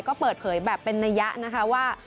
ก็เปิดเผยแบบเป็นนัยยะนะคะว่า